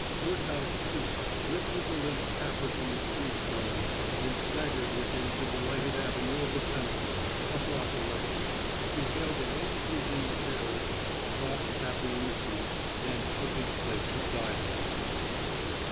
Woodhouse stooped, lifted the limp Capper from the street stones, and staggered with him to the lighted avenue of the Cannebière, a block away. He hailed a late cruising fiacre, propped Capper in the seat, and took his place beside him.